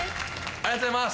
ありがとうございます。